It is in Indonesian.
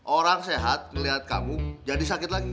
orang sehat melihat kamu jadi sakit lagi